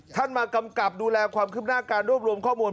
มากำกับดูแลความคืบหน้าการรวบรวมข้อมูล